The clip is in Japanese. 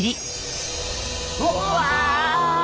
うわ！